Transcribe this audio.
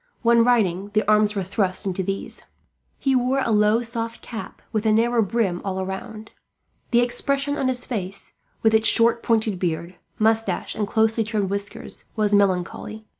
When riding, the arms were thrust into these. He wore a low soft cap with a narrow brim all round. The expression of his face, with its short pointed beard, moustache, and closely trimmed whiskers, was melancholy.